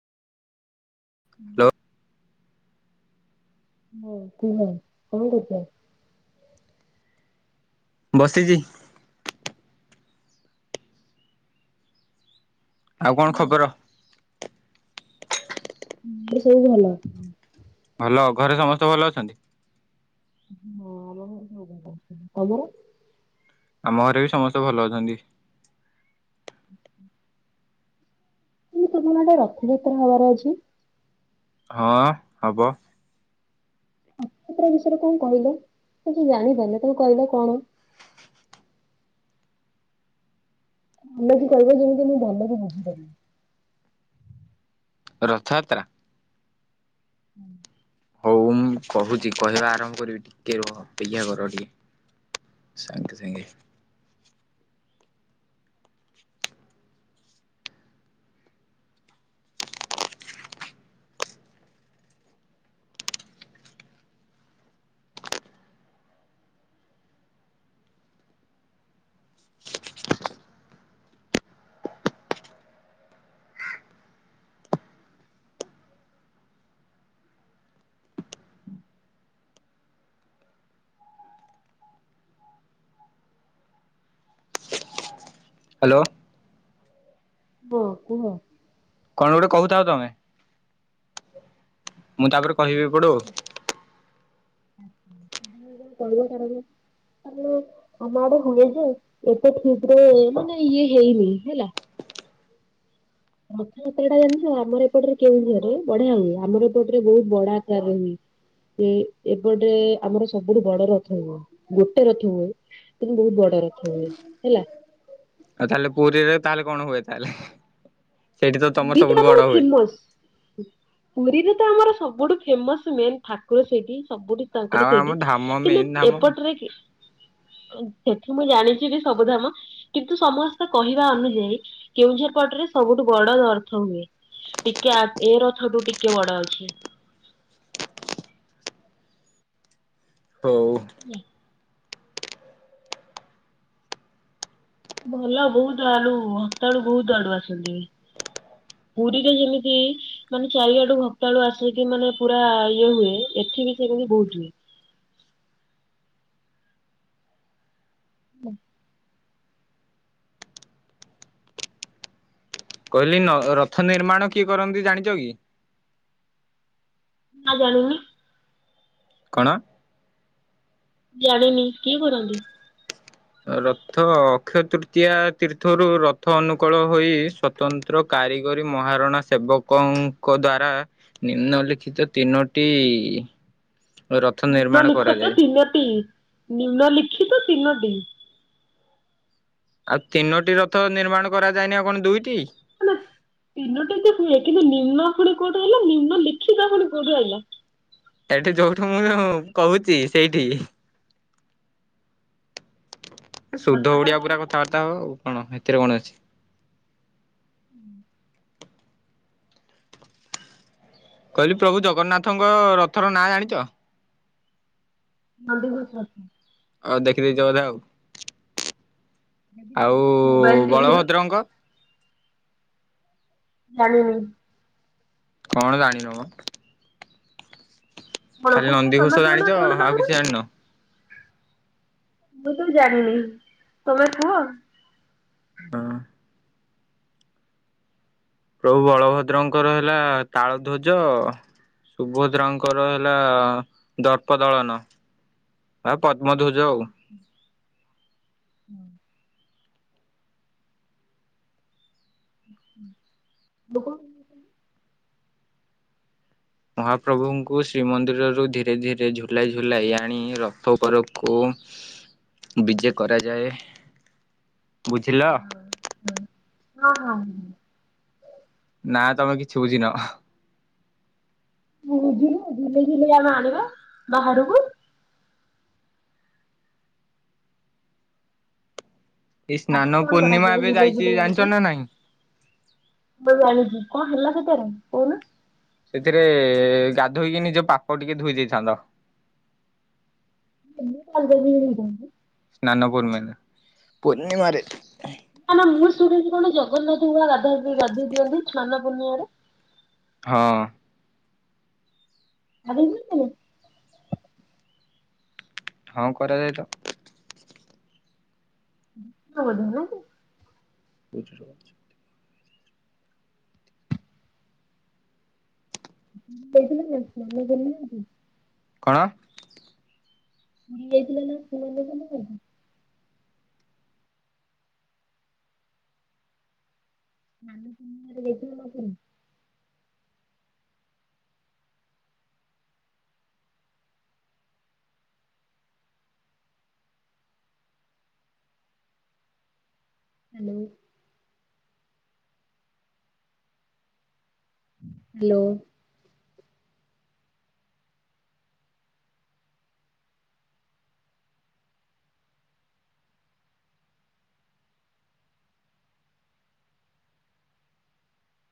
Hello ହୁଁ [unintelligible] ବସିଚି। ଆଉ କଣ ଖବର? ହୁଁ ମୁଁ କହିଲି ସବୁ ଭଲ। ଭଲ ଆଉ ଘରେ ସମସ୍ତେ ଭଲ ଅଛନ୍ତି? ଅ ହଁ ମୋର ସବୁ ଭଲ ଅଛନ୍ତି। ତମର? ଆମ ଘରେ ବି ସମସ୍ତେ ଭଲ ଅଛନ୍ତି। ଏଇ କୋଉଦିନ ମା ଗୋଟେ ରଥଯାତ୍ରା ହବାର ଅଛି? ହଁ ହବ। ରଥଯାତ୍ରା ବିଷୟରେ କଣ କହିଲ ତ ସେ ଜାଣିପାରିନି ତାକୁ କହିଲ କଣ? ଭଲକି କହିବ ଯେମିତି ମୁଁ ଭଲକି ବୁଝି ପାରିବି। ରଥଯାତ୍ରା? ହଉ ମୁଁ କହୁଚି କହିବା ଆରମ୍ଭ କରିବି ଟିକେ ରୁହ ଅପେକ୍ଷା କର ଟିକେ। ସାଙ୍ଗେ ସାଙ୍ଗେ। ହ୍ୟାଲୋ। ବୋଉ ମ କଣ ଗୋଟେ କହୁଥାଅ ତମେ। ମୁଁ ତାପରେ କହିବି ଏପଡୁ। କଣମ [unintelligible] ସବେଳେ ଆମ ଆଡେ ହୁଏ ଯେ ଏତେ ଠିକ୍ ରେ ମାନେ ଇଏ ହେଇନି ହେଲା। ରଥଯାତ୍ରା ଟା ଜାଣିଚ ଆମର ଏପଟରେ କେଉଁଝର ରେ ବଢିଆ ହୁଏ। ଆମର ଏପଟରେ ବହୁତ ବଡ ଆକାର ରେ ହୁଏ। ଏ ଏପଟେ ଆମର ସବୁଠୁ ବଡ ରଥ ହୁଏ। ଗୋଟେ ରଥ ହୁଏ। କିନ୍ତୁ ବହୁତ୍ ବଡ ରଥ ହୁଏ ହେଲା। ଆଉ ତାହେଲେ ପୁରୀରେ ତାହେଲେ କଣ ହୁଏ ତାହେଲେ। ସେଇଠି ତ ତମର ଏଇଟି ସବୁଠୁ ବଡ ଆମର ହୁଏ ଫେମସ୍। ପୁରୀରେ ତ ଆମର ସବୁଠୁ ଫେମସ୍ ମେନ୍ ଠାକୁର ସେଇଠି ସବୁଠୁ ଆଉ ତାଙ୍କର ଆମ ସେଇଟି ଧାମ କିନ୍ତୁ ମେନ୍ ଧାମ ଏପଟରେ କିଏ? ସେଠି ମୁଁ ଜାଣିଚି ବି ସବୁ ଧାମ। କିନ୍ତୁ ସମସ୍ତେ କହିବା ଅନୁଯାୟୀ କେଉଁଝର ପଟରେ ସବୁଠୁ ବଡ [unintelligible] ରଥ ହୁଏ ଟିକେ ଆ ଏ ରଥଠୁ ଟିକେ ବଡ ଅଛି। ହଉ। ହେଲା। ଭଲ ବହୁତ ଆଳୁ ଭକ୍ତାଳୁ ବହୁତ ଆଡୁ ଆସନ୍ତି ବି। ପୁରୀରେ ଯେମିତି ମାନେ ଚାରିଆଡୁ ଭକ୍ତାଳୁ ଆସିକି ମାନେ ପୁରା ଇଏ ହୁଏ ଏଠି ବି ସେମତି ବହୁତ୍ ହୁଏ। ହେଲା। କହିଲି ନ ରଥ ନିର୍ମାଣ କିଏ କରନ୍ତି ଜାଣିଚ କି? ନା ଜାଣିନି। କଣ? ଜାଣିନି କିଏ କରନ୍ତି? ରଥ ଅକ୍ଷୟ ତୃତୀୟା ତୀର୍ଥରୁ ରଥ ଅନୁକୂଳ ହୋଇ ସତ୍ ତନ୍ତ୍ର କାରିଗରୀ ମହାରଣା ସେବକଙ୍କ ଦ୍ଵାରା ନିମ୍ନଲିିଖିତ ତିନୋଟି ରଥ ନିମ୍ନ ନିର୍ମାଣ ଲିଖତ କରାଯାଏ। ତିନୋଟି, ନିମ୍ନଲିଖିତ ତିନୋଟି ଆଉ ତିନୋଟି ରଥ ନିର୍ମାଣ କରାଯାଏନି ଆଉ କଣ ଦୁଇଟି? ନା ତିନୋଟି ତ ହୁଏ କିନ୍ତୁ ନିମ୍ନ ପୁଣି କୋଉଠୁ ଆଇଲା ନିମ୍ନ ଲିଖିତ ପୁଣି କୋଉଠୁ ଆଇଲା? ଏଠି ଯୋଉଠୁ ମୁଁ କହୁଚି ସେଇଠି। ଏ ଶୁଦ୍ଧ ତାପରେ ଓଡ଼ିଆ କଣ ପୁରା କହିଲ କଥାବାର୍ତ୍ତା ହବ ଆଉ କଣ ସେଥିରେ କଣ ଅଛି? ଉଁ। କହିଲି ପ୍ରଭୁ ଜଗନ୍ନାଥଙ୍କ ରଥର ନାଁ ଜାଣିଚ? ନନ୍ଦିଘୋଷ ରଥ। ଅ ଦେଖିଦେଇଚ ବଧେ ଆଉ। ଆଉ ଦେଖିଦେଇଛି ମୋବାଇଲ ଟିଭିରୁ ବଳଭଦ୍ରଙ୍କ? ଜାଣିିନି। କଣ ଜାଣିନ ମ? କଣ ଖାଲି କହୁନ ନନ୍ଦିଘୋଷ ତମେ ଜାଣିଛ କହୁନା କଣ ଆଉ ତାଙ୍କର? କିଛି ଜାଣିନ? ମୁଁ ତ ଜାଣିନି ତମେ କୁହ। ହୁଁ। ପ୍ରଭୁ ବଳଭଦ୍ରଙ୍କର ହେଲା ତାଳଧ୍ୱଜ। ସୁଭଦ୍ରାଙ୍କର ହେଲା ଦର୍ପ ଦଳନ ଆଉ ପଦ୍ମଧ୍ୱଜ ଆଉ। [unintelligible] ମହାପ୍ରଭୁଙ୍କୁ ଶ୍ରୀମନ୍ଦିରରୁ ଧୀରେ ଧୀରେ ଝୁଲାଇ ଝୁଲାଇ ଆଣି ରଥ ଉପରକୁ ବିଜେ କରାଯାଏ। ବୁଝିଲ? ହଁ ହଁ। ନା ତମେ କିଛି ବୁଝିନ। ମୁଁ ବୁଝିଲି ନା ଝୁଲେଇ ଝୁଲେଇ ଆମେ ଆଣିବା ବାହାରୁକୁ ଏଇ ତାପରେ ସ୍ନାନ କଣ ପୂର୍ଣ୍ଣିମା କରାଯାଏ ଏବେ ଝୁଲେଇ ଯାଇଛି ଝୁଲେଇ ଜାଣିଛ ଆଣିକି? ନା ନାଇଁ ମୁଁ ଜାଣିଚି କଣ ହେଲା ସେଥିରେ କହୁନ? ସେଥିରେ ଗାଧୋଇକି ନିଜ ପାପ ଟିକେ ଧୋଇ ଦେଇଥାନ୍ତ। [unintelligible] ସ୍ନାନ ପୂର୍ଣ୍ଣି ପୂର୍ଣ୍ଣିମାରେ। ନା ନା ମୁଁ ଶୁଣିଚି କଣ ଜଗନ୍ନାଥଙ୍କୁ ପା ଗାଧା ଗାଧେଇ ଦିଅନ୍ତି ସ୍ନାନ ପୂର୍ଣ୍ଣିମାରେ? ହଁ। [unintelligible] ହଁ କରାଯାଏ ତ। [unintelligible] [unintelligible] [unintelligible] କଣ? [unintelligible] ସ୍ନାନ ପୁର୍ଣିମା ରେ ଯାଇଥିଲ ନା ପୁରୀ? ହ୍ୟାଲୋ। ହ୍ୟାଲୋ।